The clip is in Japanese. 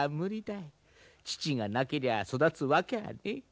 乳がなけりゃ育つわきゃあねえ。